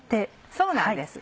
そうなんです。